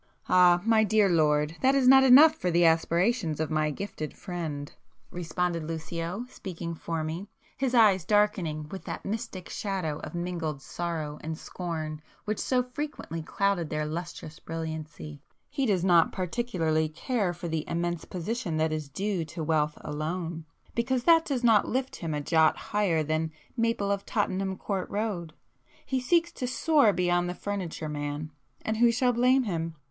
"Ah, my dear lord, that is not enough for the aspirations of my gifted friend"—responded Lucio, speaking for me, his eyes darkening with that mystic shadow of mingled sorrow and scorn which so frequently clouded their lustrous brilliancy; "He does not particularly care for the 'immense position' that is due to wealth alone, because that does not lift him a jot higher than Maple of Tottenham Court Road. He seeks to soar beyond the furniture man,—and who shall blame him?